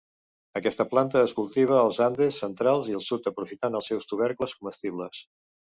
Aquesta planta es cultiva als Andes centrals i del sud aprofitant els seus tubercles comestibles.